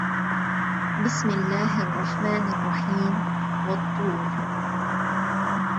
بِسمِ اللَّهِ الرَّحمنِ الرَّحيمِ وَالطّورِ